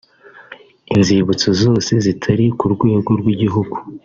Inzibutso zose zitari ku rwego rw’igihugu